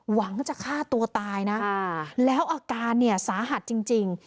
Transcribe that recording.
หวังจะฆ่าตัวตายนะแล้วอาการเนี่ยสาหัสจริง